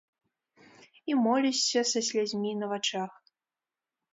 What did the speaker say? І молішся са слязьмі на вачах.